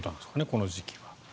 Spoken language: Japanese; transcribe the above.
この時期は。